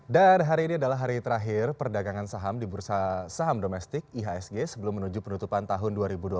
hari ini adalah hari terakhir perdagangan saham di bursa saham domestik ihsg sebelum menuju penutupan tahun dua ribu dua puluh satu